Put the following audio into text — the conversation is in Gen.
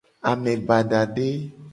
Ame badade.